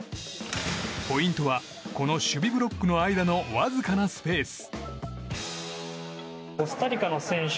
ポイントはこの守備ブロックの間のわずかなスペース。